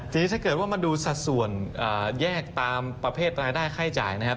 ทีนี้ถ้าเกิดว่ามาดูสัดส่วนแยกตามประเภทรายได้ค่าจ่ายนะครับ